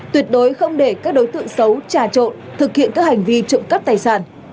tuyệt đối không để các đối tượng xấu trà trộn thực hiện các hành vi trụng cấp tài sản